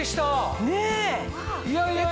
いやいや！